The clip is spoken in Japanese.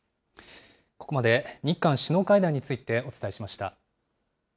ここまで日韓首脳会談についてお伝えしました。